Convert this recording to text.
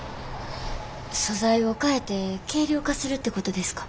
素材を替えて軽量化するってことですか？